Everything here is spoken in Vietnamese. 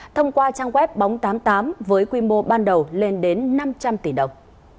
thông qua trang web bóng tám mươi tám với quy mô ban đầu lên đến năm trăm linh tỷ đồng